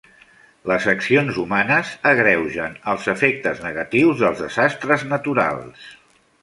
Les accions humanes agreugen els efectes negatius dels desastres naturals.